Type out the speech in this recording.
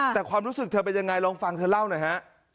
แต่ความรู้สึกเธอเป็นยังไงลองฟังเธอเล่าหน่อยฮะ